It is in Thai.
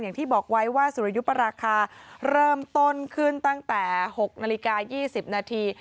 อย่างที่บอกไว้ว่าสุริยุปราคาเริ่มต้นขึ้นตั้งแต่๖นาฬิกา๒๐นาที